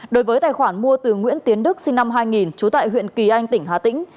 đối với tài khoản mua từ nguyễn tiến đức sinh năm hai nghìn trú tại huyện kỳ anh tỉnh hà tĩnh